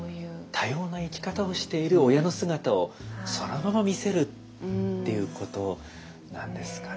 多様な生き方をしている親の姿をそのまま見せるっていうことなんですかね。